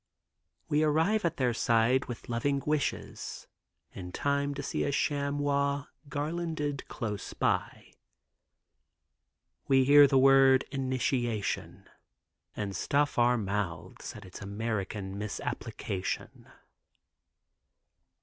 We arrive at their side with loving wishes, in time to see a chamois garlanded close by. We hear the word "initiation" and stuff our mouths at its American misapplication.